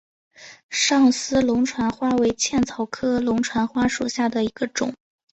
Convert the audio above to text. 上思龙船花为茜草科龙船花属下的一个种。